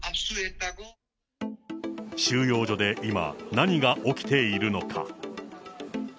収容所で今、何が起きているのか。